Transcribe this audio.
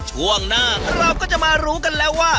ช่วงหน้าเราก็จะมารู้กันแล้วว่า